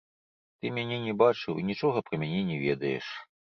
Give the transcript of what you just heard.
Ты мяне не бачыў і нічога пра мяне не ведаеш.